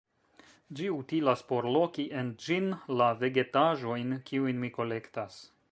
Ĝi utilas por loki en ĝin la vegetaĵojn, kiujn mi kolektas.